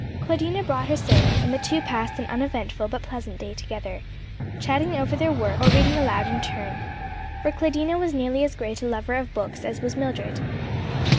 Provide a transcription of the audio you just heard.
Claudina brought her sewing, and the two passed an uneventful, but pleasant day together, chatting over their work or reading aloud in turn; for Claudina was nearly as great a lover of books as was Mildred.